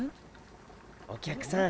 お客さん